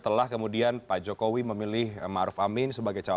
terima kasih pak yusuf